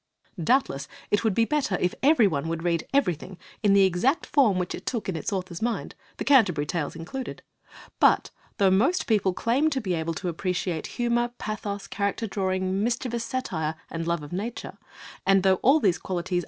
Doubtless, it would be better if every one would read everything in the exact form which it took in its author's mind, the Canterbury Tales included; but, though most people claim to be able to appreciate humor, pathos, charac ter drawing, mischievous satire, and love of nature, and though all these q jalitif s.